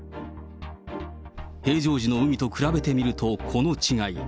平常時の海と比べてみるとこの違い。